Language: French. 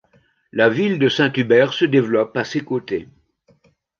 La ville de Saint-Hubert se développe à ses côtés.